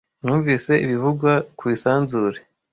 Numvise ibivugwa ku isanzure,